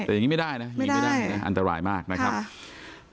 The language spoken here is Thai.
แต่อย่างนี้ไม่ได้นะมีไม่ได้นะอันตรายมากนะครับ